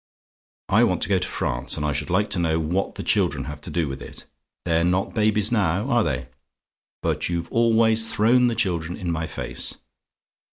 I want to go to France, and I should like to know what the children have to do with it? They're not babies NOW are they? But you've always thrown the children in my face.